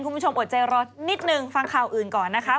คุณผู้ชมอดใจเดอร์นิดนึงฟังข่าวอื่นก่อนนะคะ